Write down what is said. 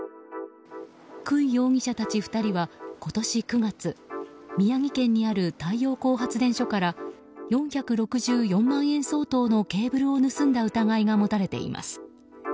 クイ容疑者たち２人は今年９月宮城県にある太陽光発電所から４６４万円相当のケーブルを盗んだ疑いが持たれています。